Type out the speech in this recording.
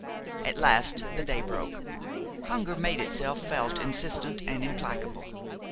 At last the day broke; hunger made itself felt insistent and implacable.